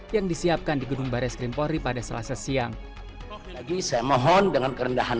yang disiapkan di gedung baris krimpori pada selasa siang lagi saya mohon dengan kerendahan